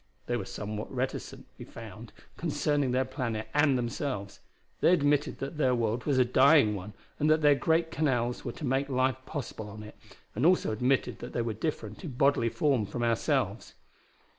They were somewhat reticent, we found, concerning their planet and themselves. They admitted that their world was a dying one and that their great canals were to make life possible on it, and also admitted that they were different in bodily form from ourselves.